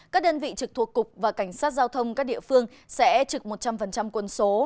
các đơn vị trực thuộc cục và cảnh sát giao thông các địa phương sẽ trực một trăm linh quân số